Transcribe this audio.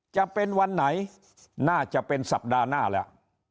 จะเป็นวันไหนน่าจะเป็นสัปดาห์หน้าแล้ว